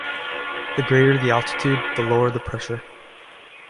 The greater the altitude, the lower the pressure.